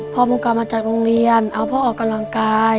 ผู้มีการมาจากโรงเรียนเอาที่กำลังกาย